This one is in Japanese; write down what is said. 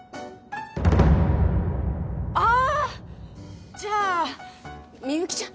ああじゃあみゆきちゃん